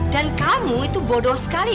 dan kamu itu bodoh sekali